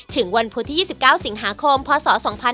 ถึงวันพุธที่๒๙สิงหาคมพศ๒๕๕๙